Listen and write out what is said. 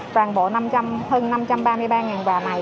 toàn bộ hơn năm trăm ba mươi ba quà này